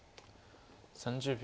３０秒。